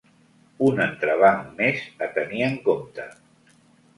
Un entrebanc més a tenir en compte.